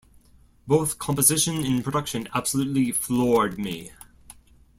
Both composition and production absolutely floored me.